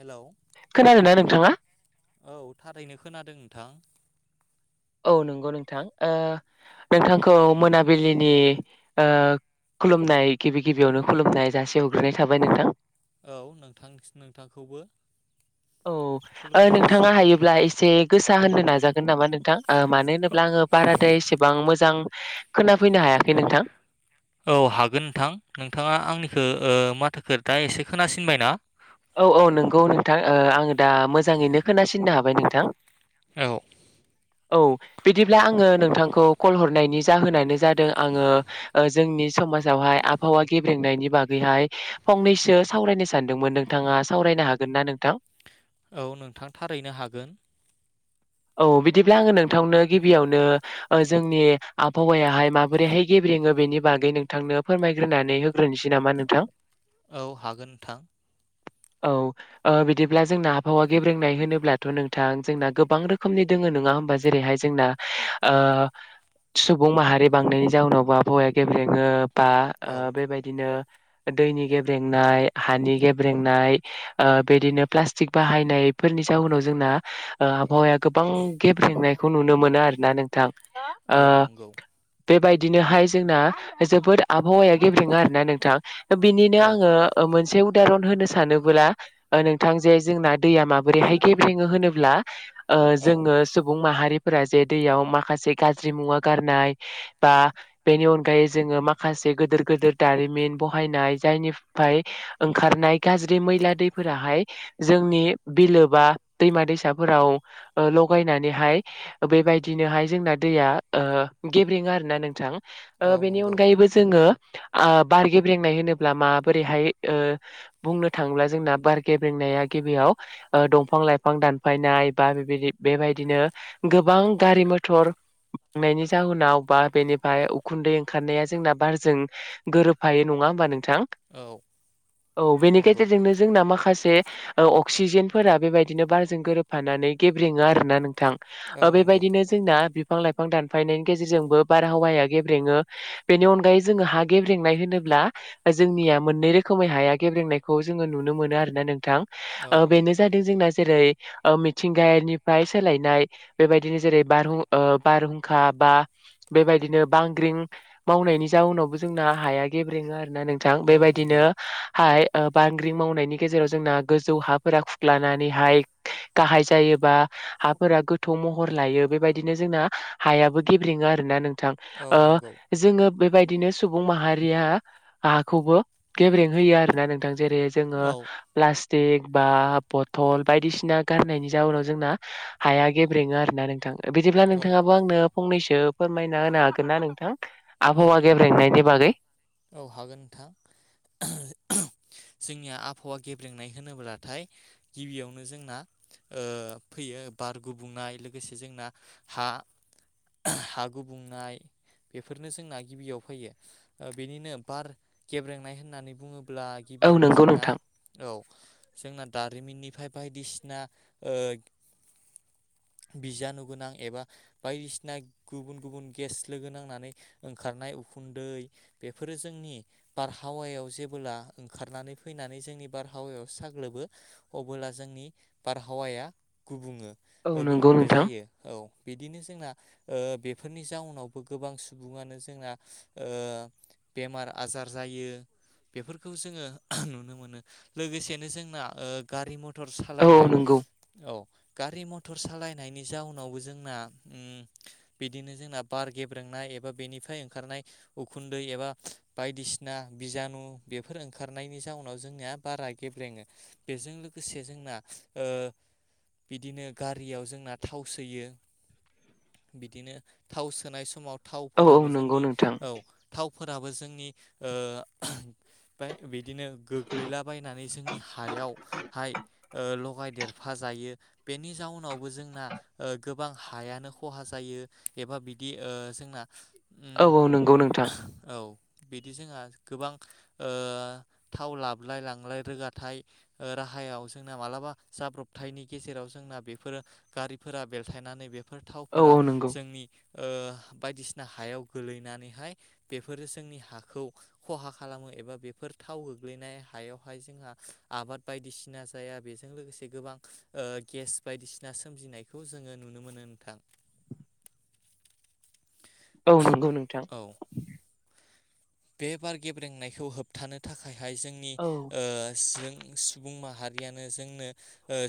Hello खोनादोंना नोंथांङा? औ थारैनो खोनादों नोंथां औ नंगौ नोंथां ओ नोंथांखौ मोनाबिलिनि ओ खुलुमनाय गिबि गिबियावनो खुलुमनाय जासि हरग्रोनाय थाबाय नोंथां औ नोंथां नोंथांखौबो औ ओ खुलुमनाय नोंथाङा जासिहरबाय हायोब्ला एसे गोसा होननो नाजागोन नामा नोंथां ओ मानो होनोब्ला आङो बाराथाय एसेबां मोजां खोना औ हागोन नोंथां नोंथाङा आंनिखो ओ माथोखो दा एसे खोनासिनबायना औ औ नोंगौ नोंथां ओ आङो दा मोजाङैनो खोनासिननो हाबाय नोंथां। औ औ बिदिब्ला आङो नोंथांखौ कल हरनायनि जाहोनानो जादों आङो ओ जों नि समाजावहाय आबहावा गेब्रेंनायनि बागैहाय फंनैसो सावरायनो सानदोंमोन नों थाङा सावरायनो हागोन ना नोंथां औ नोंथां थारैनो हागोन। [inaudible] औ बिदिब्ला आङो नोंथांनो गिबियावनो जोंनि आबहावायाहाय माबोरैहाय गेब्रेङो। बेनि बागै नोंथांनो फोरमायग्रोनानै होग्रोनोसै नामा नोंथां। औ हागोन नोंथां [inaudible] औ ओ बिदिब्ला जोंना आबहावा गेब्रेंनाय होनोब्लाथ' नोंथां जोंना गोबां रोखोमनि दोङो नोङा हो होमबा जेरैहाय जोंना ओ सुबुं माहारि बांनायनि जाउनावबो आबहावाया गेब्रेङो। बा औ ओ बेबायदिनो दैनि गेब्रेंनाय हानि गे ब्रेंनाय ओ बेदिनो प्लास्टिक बाहायनायफोरनि जाउनाव जोंना ओ आबहावाया गो बां गेब्रेंनायखौ नुनो मोनो आरोना नोंथां औ ओ नंगौ बेबायदिनोहाय जोंना जोबोद आबहावाया गेब्रेंङो आरोना नोंथां। बिनिनो औ आङो ओ मोनसे उ दारन होनो सानोबोला नोंथां जे जोंना दैया माबोरैहाय गेब्रेङो होनोब्ला ओ औ जोङो सुबुं माहा रिफोरा जे दैयाव माखासे गाज्रि मुवा गारनाय बा बेनि अनगायै जोङो माखा से गोदोर गोदोर दारिमिन बहायनाय जायनिफाय ओंखारनाय गाज्रि मैला दैफोराहाय जोंनि बिलोबा दैमा दैसाफोराव ओ लगायनानैहाय बेबायदिनोहाय जोंना दैया ओ गेब्रेङो आरोना नोंथां। ओ औ बेनि नंगौ अनगायैबो जोंङो ओ बार गेब्रेंनाय होनोब्ला माबोरैहाय ओ बुंनो थाङोब्ला जोंना बार गेब्रेंनाया गिबियाव ओ दंफां लाइफां दानफायना नाय बा बेबाय बेबायदिनो गोबां गारि मथर नायनि जाहोनाव बा बेनिफाय उखुन्दै ओंखारनाया जोंना बारजों गोरोबफायो नङा होमबा नों थां औ औ बेनि नंगौ गेजेरजोंनो जोंना माखासे ओ अक्सिजेनफोरा बेबायदिनो बारजों गोरोबफानानै गेब्रेङो आरोना नों थां औ ओ नंगौ बेबायदिनो जोंना बिफां लाइफां दानफायनायनि गेजेरजोंबो बारहावाया गेब्रेङो बेनि अनगायै जोङो हा गेब्रेंनाय होनो ब्ला जोंनिया मोननै रो खोमै हाया गेब्रेनायखौ जोङो नुनो मोनो आरोना औ नोंथां बेनो जा दों जोंना जेरै ओ मिथिंगनिफ्राय सोलायनाय बेबायदिनो जेरै बारहु ओ बारहु हुंखा बा बेबायदिनो बांग्रिं मावनायनि जाउनावबो जोंना हाया गेब्रेङो आरो ना नोंथां औ नंगौ बेबायदिनो हाय बांग्रिं मावनायनि गेजेराव जोंना गोजौ हाफोरा खुख्लानानैहाय गाहाय जायोबा हाफोरा गोथौ महर लायो बेबायदिनो जोंना हायाबो गेब्रेङो आरो ना नों- औ ओ नंगौ जोङो बेबायदिनो सुबुं माहारिया हाखौबो गेब्रें होयो आरो ना नोंथां जेरै जोङो औ प्लास- स्टिक बा बथल बायदिसिना गारनायनि जाउनाव जोंना हाया गेब्रेङो आरोना नोंथां बिदिब्ला औ नोंथाङाबो आंनो फंनैसो फोरमायना होनो हागोन ना नोंथां? औ आबहावा गेब्रेंनायनि बागै औ हागोन नोंथां जोंनिया आबहावा गेब्रेंनाय होनोब्लाथाय गिबियावनो जोंना ओ फैयो बार गुबुंनाय लोगोसे जोंना हा हा गुबुंनाय बेफोरनो जोंना गिबियाव फैयो बेनिनो बार गेब्रेंनाय होननानै बुंङो ब्ला औ गिबियावनो नंगौ जोंना नोंथां औ जोंना दारिमिननिफ्राय बायदिसिना ओ [inaudible] बिजानुगोनां एबा बायदिसिना गुबुन गुबुन गेस लोगो नांनानै ओंखारनाय उखुन्दै बेफोरो जोंनि बारहावायाव जेबोला ओंखारनानै फैनानै जोंनि बारहावायाव साग्लोबो अबोला जोंनि बारहावाया गुबुङो औ नंगौ गुबुंले नोंथां जायो औ बिदिनो जोंना ओ बेफोरनि जाउनावबो गोबां सुबुङानो जोंना ओ बेमार आजार जायो। बेफोरखौ जोंङो नुनो मोनो लोगोसेनो जोंना ओ गारि म टर औ सालायनाय नंगौ औ गारि मथर सालाय नायनि जाउनावबो जोंना अम बिदिनो जोंना बार गेब्रेंनाय एबा बेनिफ्राय ओंखारनाय उ खुन्दै एबा बायदिसिना बिजानु बेफोर ओंखारनायनि जाउनाव जोंनिया बारा गेब्रें ओ बेजों लोगोसे जोंना ओ बिदिनो गारियाव जोंना थाव सोयो बिदिनो थाव सोनाय समाव औ औ थावफोराबो नंगौ जोंनि नोंथां औ फोराबो जोंनि ओ बिदिनो गोग्लैलाबायनानै जोंनि हा यावहाय लगाय देरफा जायो बेनि जाउनावबो जोंना गोबां हायानो खहा जायो एबा बिदि ओ जोंना औ उम औ नंगौ नोंथां औ बिदि जोंहा गोबां ओ थाव लाबलाय लांलाय रोगाथाय ओ राहा याव जोंना मालाबा जाब्रबथायनि गेजेराव जोंना बेफोर गारिफोरा बेलथायनानै बे फोर औ थावफोरा औ नंगौ जोंनि ओ बायदिसिना हायाव गोलैनानैहाय बेफोरो जोंनि हाखौ खहा खालामो एबा बेफोर थाव गोग्लैनाय हायावहाय जोंहा आबाद बायदिसिना जाया बेजों लोगोसे गोबां ओ गेस बायदिसिना सोमजिनायखौ जों नुनो मोनो नोंथां [inaudible] औ नंगौ नोंथां औ बे बार गेब्रेंनायखौ होबथानो थाखायहाय जोंनि औ ओ जों सुबुं माहारियानो जोंनो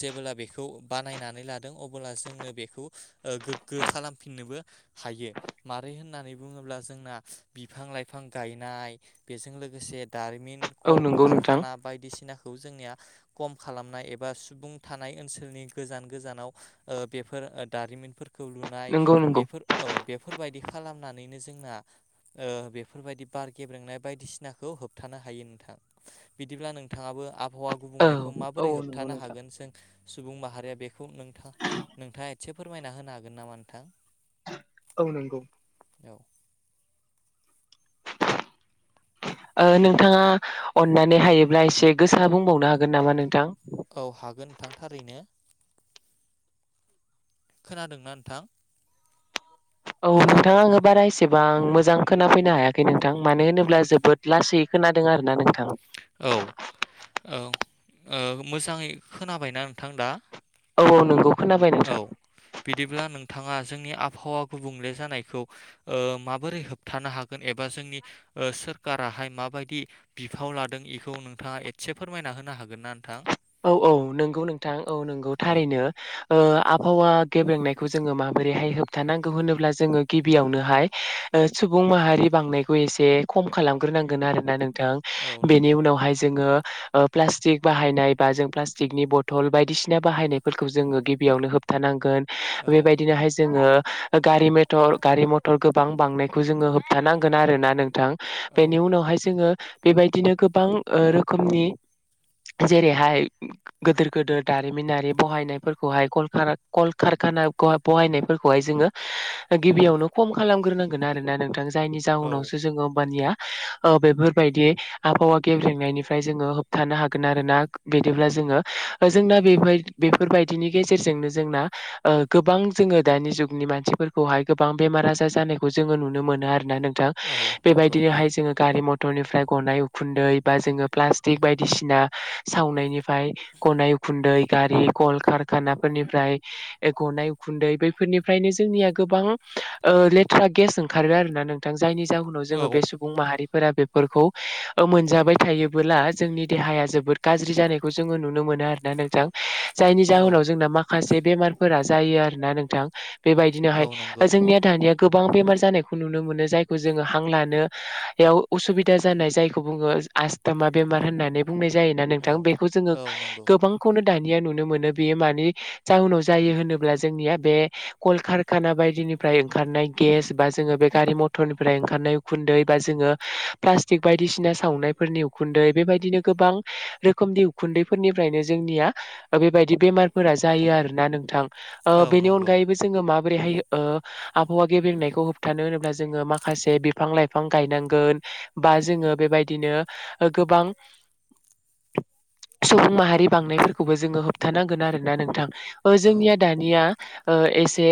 जेबोला बे खौ बानायनानै लादों अब्ला जोंनो बेखौ ओ गोग्गो खालामफिननोबो हायो मारै होननानै बुंङोब्ला जोंना बिफां लाइफां गायनाय बेजों लोगोसे दारिमिन औ कल नंगौ नोंथां कारखाना बायदिसिना खौ जोंनिया कम खालामनाय एबा सुबुं थानाय ओनसोलनि गोजान गोजानाव ओ बेफोर दारिमिनफोर खौ लुनाय नंगौ नंगौ बेफोर औ बेफोरबायदि खालामनानैनो जोंना ओ बेफोरबायदि बार गेब्रेंनाय बायदिसिनाखौ होबथानो हायो नोंथां बिदिब्ला नोंथाङाबो आब हावा औ गुबुंनायखौ औ माबोरै औ नंगौ होबथानो नोंथां हागोन जों सुबुं माहारिया बेखौ नोंथां नोंथाङा एसे फोरमायना होनो हागोन नामा नोंथां औ नंगौ औ [inaudible] ओ नोंथाङा अननानै हायोब्ला एसे गोसा बुंबावनो हागोन नामा नोंथां औ हागोन नोंथां थारैनो। खोनादोंना नोंथां। औ हेलौ नोंथाङा आङो बारासे एसेबां मोजां खोनाफैनो हायाखै नोंथां मानो होनोब्ला जोबोद लासै खोनादों आरो ना नोंथां। औ-औ मोजाङै खोनाबायना नोंथां दा? औ-औ नंगौ। खोनाबाय नोंथां औ बिदिब्ला नोंथाङा जोंनि आबहावा गुबुंले जानायखौ ओ माबोरै होबथानो हागोन एबा जोंनि ओ सोरखाराहाय माबायदि बिफाव लादों बेखौ नोंथाङा एसे फोरमायना होनो हागोन ना नोंथां? औ-औ नंगौ नोंथां औ नंगौ औ थारैनो। ओ आबहावा गेबेंनायखौ जोङो माबोरैहाय होबथानांगौ होनोब्ला जोङो गिबियावनोहाय सुबुं माहारि बांनायखौ एसे खम खालामग्रोनांगोन आरो ना नों थां। औ बेनि नंगौ उनावहाय जोङो ओ प्लासटिक बाहायनाय बा जों प्लास्टिकनि बथल बायदिसिना बाहायनायफोरखौ जोङो गिबियावनो होबथानांगोन। औ बेबायदिनोहाय जोङो गारि मथर गारि मथर गोबां बांनायखौ जोङो होबथानांगोन आरो ना नोंथां। औ बेनि उनावहाय जोङो बेबायदिनो गोबां ओ रोखोमनि जेरै हाया गोदोर गोदोर दारिमिनारि बहायनायफोरखौहाय कलखारा कलकारखाना [inaudible] बाहायनायफोरखौहाय जोङो गिबियावनो खम खालामग्रोनांगोन आरो ना नोंथां। जायनि औ जाउनावसो जोङो ओमबनिया ओ बेफोरबायदि आबहावा गेब्रेनायनिफ्राय जोङो होबथानो हागोन आरो ना। बिदिब्ला जोङो जोंना बे बेफोरबायदिनि गेजेरजोंनो जोंना गोबां जों जोङो दानि जुगनि मानसिफोरखौहाय गोबां बेमार आजार जानायखौ जोङो नुनो मोनो आरो ना नोंथां औ नंगौ बेबायदिनोहाय जोङो गारि मथर टरनिफ्राय गनाय उखुन्दै बा जोङो प्लास्टिक बायदिसिना सावनायनिफ्राय गनाय उखुन्दै गारि कल कारखानाफोरनिफ्राय गनाय उखु खुन्दै बैफोरनिफ्रायनो जोंनि गोबां लेथ्रा गेस ओंखारो आरो ना नोंथां। जायनि जाहोनाव जोङो बे औ सुबुं माहारि फोरा बेफोरखौ मोनजाबाय थायोबोला जोंनि देहाया जोबोद गाज्रि जानायखौ जोङो नुनो मोनो आरोना नोंथां जायनि औ जाहोनाव जोंना माखासे बेमारफोरा जायो आरोना नोंथां औ बेबायदिनोहाय नंगौ जोंनिया दानिया गोबां बेमार जानायखौ नुनो मोनो जायखौ जोङो हां लानोयाव उसुबिदा जानाय जायखौ बुङो आस्थमा बेमार होननानै बुंनाय जायोना नोंथां औ बेखौ जोङो औ नंगौ गोबांखौनो दानिया नुनो मोनो बे मानि जाउनाव जायो होनोब्ला जोंनिया बे कलकारखाना बायदि फ्राय ओंनाय गेस बा जोङो बे गारि मठरनि ओंखारनाय उखुन्दै बा जोङो प्लास्टिक बायदिसिना सावनायफोरनि उखुन्दै बेबायदिनो गोबां रोखोमनि उखुन्दैफोरनिफ्रायनो जोंनिया बेबायदि बेमारफोरा जायो आरोना नोंथां। ओ औ बेनि नंगौ अनगायैबो जोङो माब बोरैहाय ओ आबहावा गेब्रेंनायखौ होबथानो होनोब्ला जोङो माखासे बिफां लाइफां गायनांगोन। बा जोङो बेबायदिनो ओ गोबां सुबुं माहारि बांनायफोरखौबो जोङो होबथानांगोन आरोना नोंथां। ओ औ जोंनिया दानिया एसे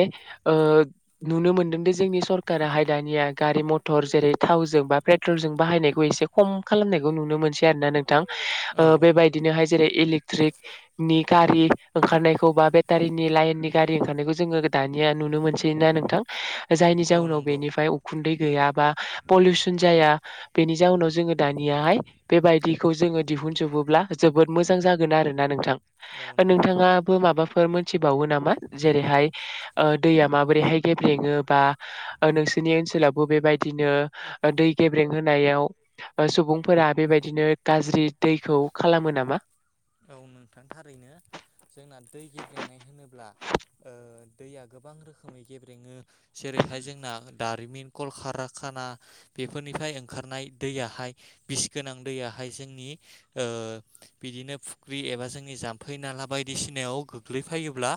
नुनो मोनदों दि जोंनि सरका हाय दानिया गारि मथर जेरै थावजों बा पेट्रलजों बाहायनायखौ एसे खम खालामनायखौ नुनो मोनसै आरो ना नोंथां। औ बेबायदिनोहाय जेरै इलेक्ट्रिकनि गारि ओंखारनायखौ बा बेटारिनि लाइननि गारि ओंखारनायखौ जोङो दानि नुनो मोनो नोंथां जायनि औ जउनाव नंगौ बेनिफ्राय उखुन्दै गैया बा पलिउसन जाया बेनि जाउनाव जोङो दानियाहाय बेबायदिखौ जोङो दिहुनजोबोब्ला जोबोद मोजां जागोन आरोना नोंथां औ नंगौ नोंथां नोंथाङाबो माबाफोर मिथिबावो नामा जेरैहाय दैया माबोरैहाय गेब्रेङोब बा नोंसोरनि ओनसोलावबो बेबायदिनो दै गेब्रें होनायाव सुबुंफोरा बेबायदिनो गाज्रि दैखौ खालामो नामा? औ नोंथां थारैनो जोंना दै गेब्लेंनाय होनोब्ला ओ दैया गोबां रोखोमै गेब्रेङो जेरैहाय जोंना दारिमिन कल खा खाना बेफोरनिफ्राय ओंखारनाय दैयहाय बिस गोनां दैयहाय जोंनि बिदिनो फुख्रि एबा जोंनि जाम्फै नाला बायदिसिनायाव गोग्लैफायोब्ला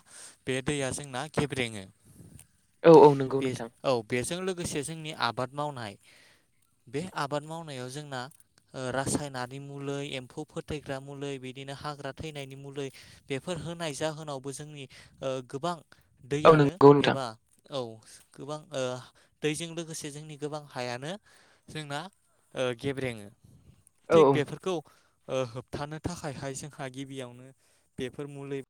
बे दैया जोंना गेब्रेङो। [inaudible] [unintelligible] औ नंगौ बे नोंथां औ बेजों लोगोसे जोंनि आबाद मावनाय बे आबाद मावनायाव जोंना रासायनारि मुलि एम्फौ फोथैग्रा मुलि बिदि बिदिनो हाग्रा थैनायनि मुलि बेफोर होनाय जाहोनावबो जोंनि गोबां औ दैयानो नंगौ नोंथां एबा औ गोबां ओ दैजों लोगोसे जोंनि गोबां हायानो जोंना ओ गेब्रेङो औ थिग बेफोरखौ ओ होबथानो थाखाय हाइ हाय जोंहा गिबियावनो बेफोर मुलि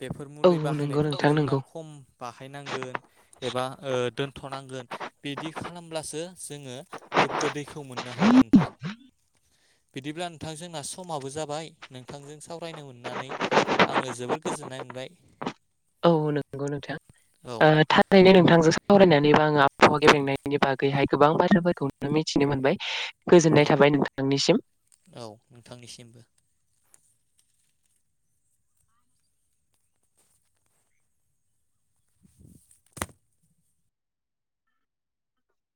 बेफोर मुलि औ नंगौ बाहायनायफोरखौ नोंथां जोंना नंगौ। खम बाहायनांगोन एबा ओ दोनथ'नांगोन बिदि खालामब्लासो जोङो गोग्गो दैैखौ मोननो हागोन नोंथां। बिदिब्ला नोंथां जोंना समाबो जाबाय नोंथांजों सावरायनो मोननानै आं आङो जोबोर गोजोननाय मोनबाय। औ नंगौ नोंथां औ थारैनो नोंथांजों सावरायनानैबा आङो गेफेंनायनि बागैहाय गोबां बाथ्राफोरखौ मिथिनो मोनबाय। गोजोननाय औ थाबाय नोंथांनिसिम। औ नोंथांनिसिमबो